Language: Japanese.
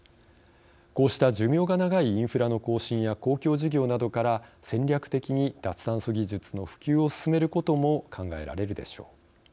こうした寿命が長いインフラの更新や公共事業などから戦略的に脱炭素技術の普及を進めることも考えられるでしょう。